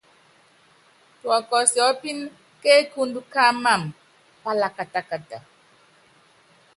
Tuɔsiɔ́pínɛ́ ke ekundu ká amam palakatakata.